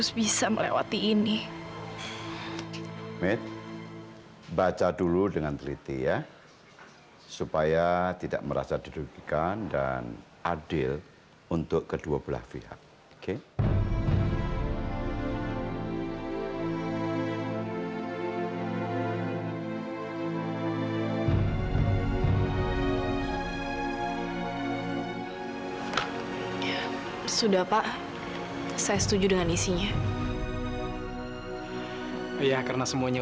saya itu sendiriasted pact dari bey serge solomon